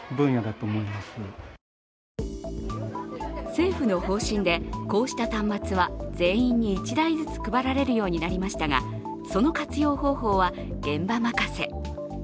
政府の方針でこうした端末は全員に１台ずつ配られるようになりましたが、その活用方法は現場任せ。